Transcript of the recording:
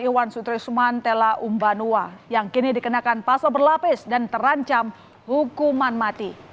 iwan sutrisman tella umbanuwa yang kini dikenakan pasal berlapis dan terancam hukuman mati